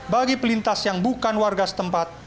bagi pelintas yang bukan warga setempat